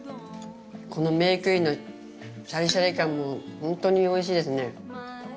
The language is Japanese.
このメークインのシャリシャリ感も本当においしいですね。